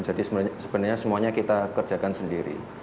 jadi sebenarnya semuanya kita kerjakan sendiri